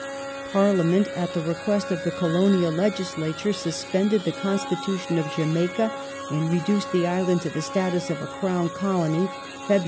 Parliament, at the request of the Colonial Legis latui e, suspended the Constitution of Jamaica and reduced the island to the status of a Crown Colony (Feb.